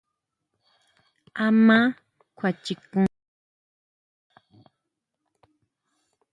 ¿Áʼma kjuachikun?